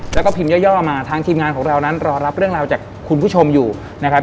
แล้วก็พิมพ์ย่อมาทางทีมงานของเรานั้นรอรับเรื่องราวจากคุณผู้ชมอยู่นะครับ